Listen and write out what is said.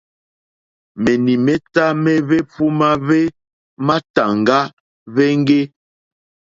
Menimeta me hwehvuma hwe matàŋga hweŋge.